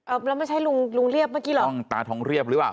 แล้วไม่ใช่ลุงลุงเรียบเมื่อกี้เหรอกล้องตาทองเรียบหรือเปล่า